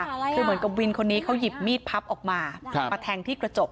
คือเหมือนกับวินคนนี้เขาหยิบมีดพับออกมามาแทงที่กระจก